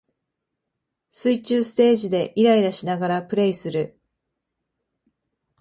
水中ステージでイライラしながらプレイする